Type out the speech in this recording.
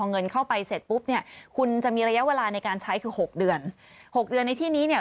เงินเข้าไปเสร็จปุ๊บเนี่ยคุณจะมีระยะเวลาในการใช้คือหกเดือนหกเดือนในที่นี้เนี่ย